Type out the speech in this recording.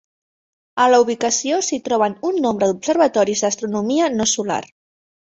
A la ubicació s'hi troben un nombre d'observatoris d'astronomia no solar.